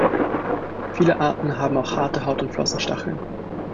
Viele Arten haben auch harte Haut- und Flossenstacheln.